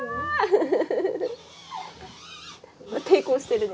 抵抗してるの。